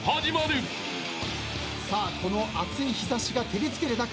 さあこの暑い日差しが照り付ける中